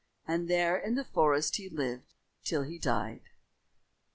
And there in the forest he lived till he died.